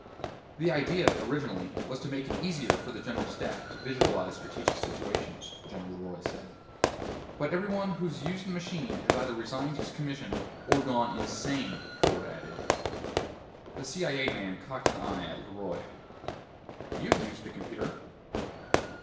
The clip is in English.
"The idea, originally, was to make it easier for the General Staff to visualize strategic situations," General LeRoy said. "But every one who's used the machine has either resigned his commission or gone insane," Ford added. The CIA man cocked an eye at LeRoy. "You've used the computer."